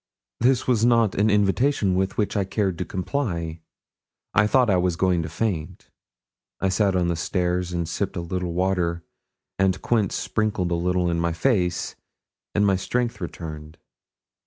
This was not an invitation with which I cared to comply. I thought I was going to faint. I sat on the stairs and sipped a little water, and Quince sprinkled a little in my face, and my strength returned.